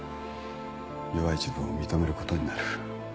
弱い自分を認めることになる。